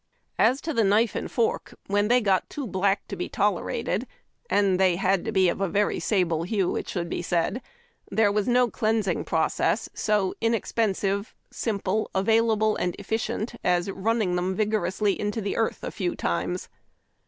As to the knife and fork, when they got too black to be tolerated — and they had to be of a very sable hue, it. should be said — there was no cleansing process so inexpensive, simple, available, and effi LIFE IN LOG HUTS. 77 cient as running them vigorously into tlie earth a few times.